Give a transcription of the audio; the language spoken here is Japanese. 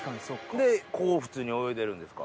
でこう普通に泳いでるんですか？